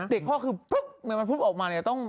เด็กพ่อคือปุ๊บมันปุ๊บออกมา